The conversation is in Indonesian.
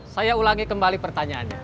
saya ulangi kembali pertanyaannya